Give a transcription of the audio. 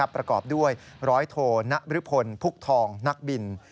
ประกอบด้วยร้อยโทนบริพลพุกทองนักบิน